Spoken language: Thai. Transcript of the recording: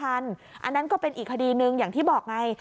อันนั้นก็เป็นอีกคดีหนึ่งอย่างที่บอกไง